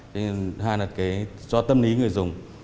thế nên hai là cái do tâm lý người dùng